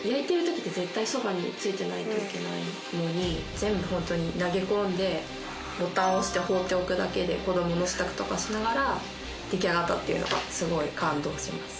全部本当に投げ込んでボタンを押して放っておくだけで子どもの支度とかしながら出来上がったっていうのがすごい感動しました。